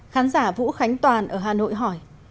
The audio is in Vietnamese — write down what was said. khán giả vũ khánh toàn ở hà nội hỏi